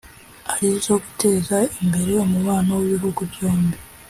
ari zo guteza imbere umubano w’ibihugu byombi